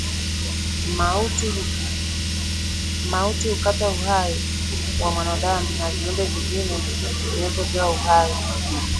Mauti hukata uhai wa mwanadamu na viumbe vingine vilivyopewa uhai